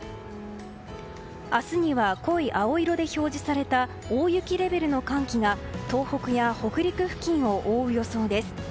明日には濃い青色で表示された大雪レベルの寒気が東北や北陸付近を覆う予想です。